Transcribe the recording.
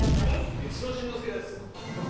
満島真之介です。